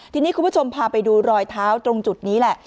ทีนี้คุณผู้ชมพาไปดูรอยเท้าตรงจุดนี้แหละ